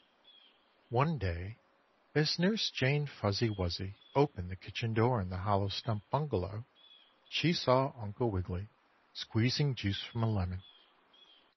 One day, as Nurse Jane Fuzzy Wuzzy opened the kitchen door in the hollow stump bungalow, she saw Uncle Wiggily squeezing juice from a lemon.